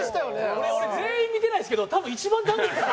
俺全員見てないんですけど多分一番ダメですよ。